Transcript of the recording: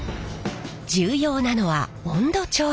重要なのは温度調整。